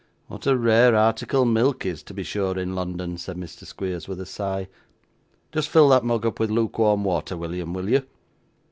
'What a rare article milk is, to be sure, in London!' said Mr. Squeers, with a sigh. 'Just fill that mug up with lukewarm water, William, will you?